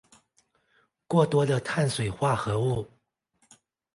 过多的碳水化合物